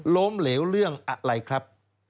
ล้มเหลวเรื่องอะไรครับ